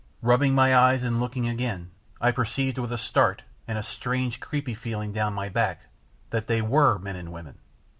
Rubbing my eyes and looking again I perceived with a start and a strange creepy feeling down my back that they WERE men and women!